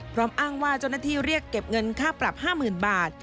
พร้อมอ้างว่าจนที่เรียกเก็บเงินค่าปรับ๕๐๐๐๐บาท